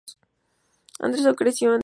Anderson creció en Tulsa, Oklahoma.